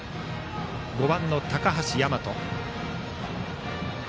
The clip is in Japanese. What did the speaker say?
打者は５番の高橋大和。